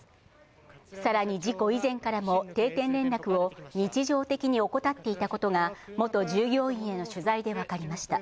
さらに事故以前からも、定点連絡を日常的に怠っていたことが、元従業員への取材で分かりました。